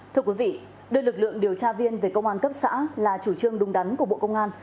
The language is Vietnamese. thưa quý vị đưa lực lượng điều tra viên về công an cấp xã là chủ trương đúng đắn của bộ công an